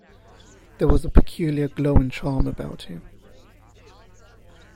There was a peculiar glow and charm about him.